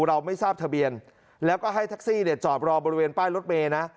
เราไม่ทะเบียนแล้วก็ให้แท็กซี่จอบรอบริเวณป้ายรถเมตรนะ